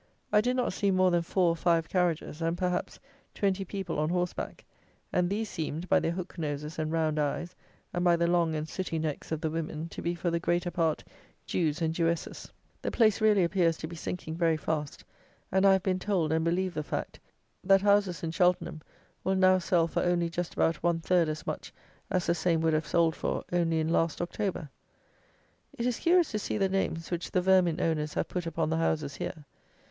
I did not see more than four or five carriages, and, perhaps, twenty people on horse back; and these seemed, by their hook noses and round eyes, and by the long and sooty necks of the women, to be, for the greater part, Jews and Jewesses. The place really appears to be sinking very fast; and I have been told, and believe the fact, that houses, in Cheltenham, will now sell for only just about one third as much as the same would have sold for only in last October. It is curious to see the names which the vermin owners have put upon the houses here.